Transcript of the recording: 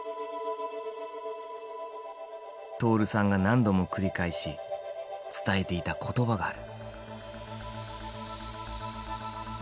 徹さんが何度も繰り返し伝えていた言葉がある。